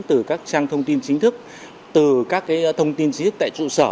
từ các trang thông tin chính thức từ các cái thông tin chính thức tại trụ sở